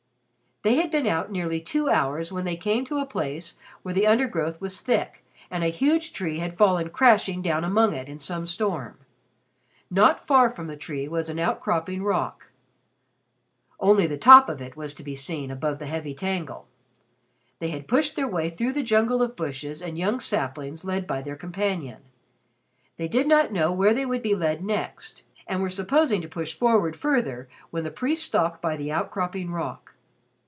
They had been out nearly two hours when they came to a place where the undergrowth was thick and a huge tree had fallen crashing down among it in some storm. Not far from the tree was an outcropping rock. Only the top of it was to be seen above the heavy tangle. They had pushed their way through the jungle of bushes and young saplings, led by their companion. They did not know where they would be led next and were supposed to push forward further when the priest stopped by the outcropping rock.